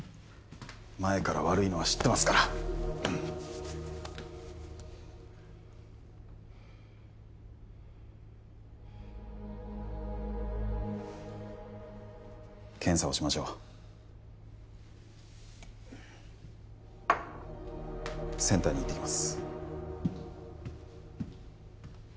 前から悪いのは知ってますから検査をしましょうセンターに行ってきます